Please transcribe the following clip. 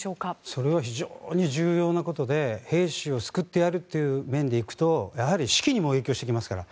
それは非常に重要なことで兵士を救ってやるという面で行くと士気にも影響してきますから。